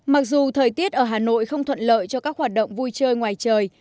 mặc dù thời tiết ở hà nội không thuận lợi cho các hoạt động vui chơi ngoài trời